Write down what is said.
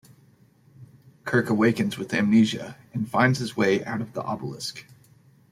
Kirk awakens with amnesia, and finds his way out of the obelisk.